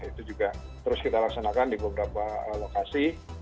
itu juga terus kita laksanakan di beberapa lokasi